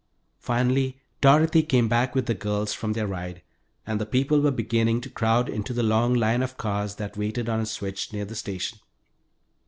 Finally Dorothy came back with the girls from their ride, and the people were beginning to crowd into the long line of cars that waited on a switch near the station.